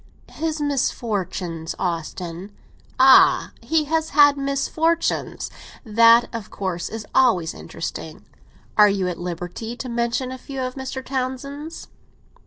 "His misfortunes, Austin." "Ah, he has had misfortunes? That, of course, is always interesting. Are you at liberty to mention a few of Mr. Townsend's?"